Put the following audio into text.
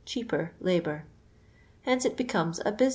caper labour. Hence it becomes a himintf.